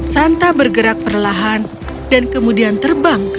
santa bergerak perlahan dan kemudian terbang ke